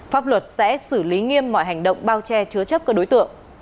pháp luật sẽ xử lý nghiêm mọi hành động bao che chứa chấp các đối tượng